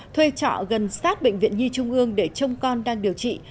thuê trọ gần sát bệnh viện nhi trung ương để trông con đang điều trị